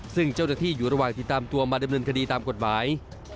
ซึ่งเจ้าหน้าที่อยู่ระหว่างติดตามตัวมาดำเนินคดีตามกฎหมาย